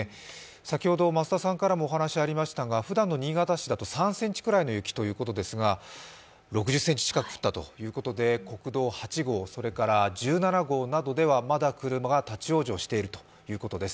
先ほど増田さんからもお話がありましたが、ふだんの新潟市だと３ｃｍくらいの雪だということですが６０ｃｍ近く降ったということで国道８号、１７号などではまだ車が立往生しているということです。